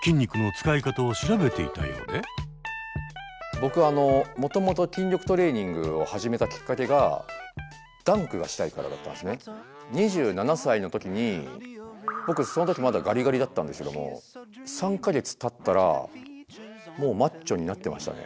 僕あのもともと筋力トレーニングを始めたきっかけが２７歳の時に僕その時まだガリガリだったんですけども３か月たったらもうマッチョになってましたね。